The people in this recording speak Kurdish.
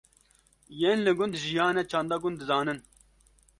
yên li gund jiyane çanda gund dizanin